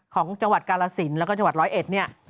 ของจังหวัดกาลาศิลป์และจังหวัดร้อยเอ็ดเนี่ย